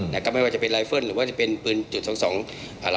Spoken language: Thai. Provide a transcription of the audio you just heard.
มีการที่จะพยายามติดศิลป์บ่นเจ้าพระงานนะครับ